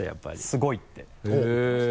「すごい！」って言ってました。